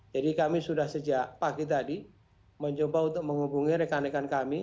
jadi kami sudah sejak pagi tadi mencoba untuk menghubungi rekan rekan kami